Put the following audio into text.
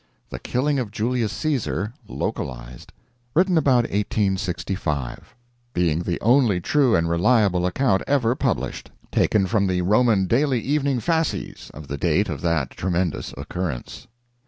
THE KILLING OF JULIUS CAESAR "LOCALIZED" [Written about 1865.] Being the only true and reliable account ever published; taken from the Roman "Daily Evening Fasces," of the date of that tremendous occurrence.